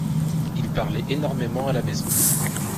Il parlait énormément à la maison.